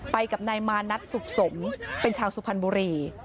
ไปกับนายมานัทสุขสมเป็นชาวสุพรรณบุรี